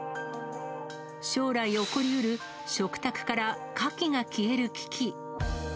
将来起こりうる、食卓からカキが消える危機。